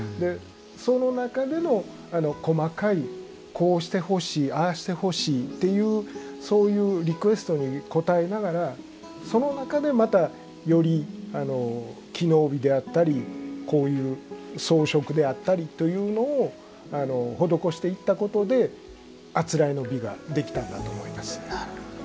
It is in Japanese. その中での細かいこうしてほしいああしてほしいというそういうリクエストに応えながらその中でまたより機能美であったりこういう装飾であったりというのを施していったことで誂えの美ができたんだと思います。